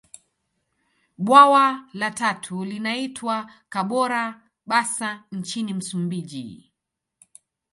Bwawa la tatu linaitwa Kabora basa nchini Msumbiji